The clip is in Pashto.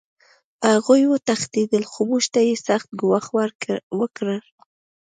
هغوی وتښتېدل خو موږ ته یې سخت ګواښ وکړ